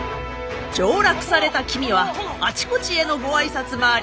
上洛された君はあちこちへのご挨拶回りに大忙し。